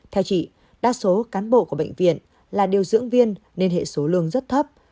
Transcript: theo chị đa số cán bộ của bệnh viện là điều dưỡng viên nên hệ số lương rất thấp